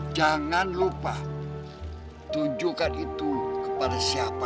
jangan lupa tunjukkan itu kepada siapa